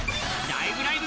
「ライブ！